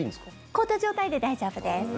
凍った状態で大丈夫です。